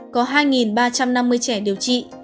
có hai ba trăm năm mươi trẻ điều trị